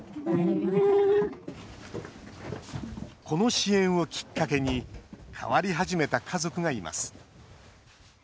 この支援をきっかけに変わり始めた家族がいます。